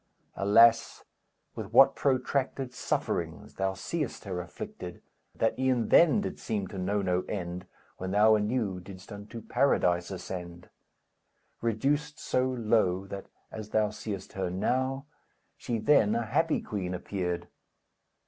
Alas, with what protracted sufferings Thou seest her afflicted, that, e'en then Did seem to know no end, When thou anew didst unto Paradise ascend! Reduced so low, that, as thou seest her now, She then a happy Queen appeared.